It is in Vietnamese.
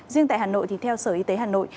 riêng tại hà nội thì theo sở y tế hà nội